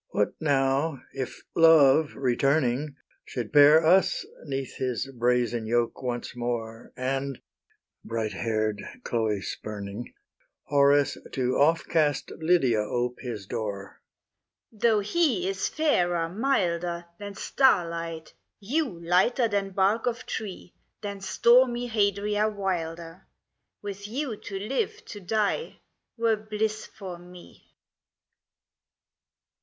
H. What now, if Love returning Should pair us 'neath his brazen yoke once more, And, bright hair'd Chloe spurning, Horace to off cast Lydia ope his door? L. Though he is fairer, milder, Than starlight, you lighter than bark of tree, Than stormy Hadria wilder, With you to live, to die, were bliss for me.